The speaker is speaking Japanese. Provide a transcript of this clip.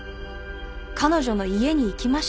彼女の家に行きましたよね。